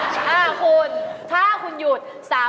ถ้าคุณถ้าคุณหยุด